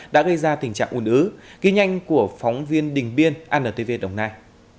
đã gây ra tình trạng ủn ứ ghi nhanh của phóng viên đình biên antv đồng nai